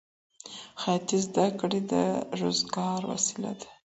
خیاطۍ زده کړه د روزګار وسیله ده.